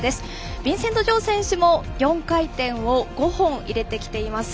ビンセント・ジョウ選手も４回転を５本入れてきています。